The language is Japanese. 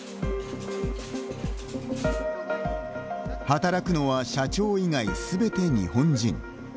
働くのは社長以外、すべて日本人。